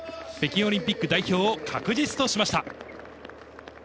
北京オリンピック代表を確実としました。